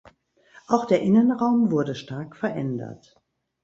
Auch der Innenraum wurde stark verändert.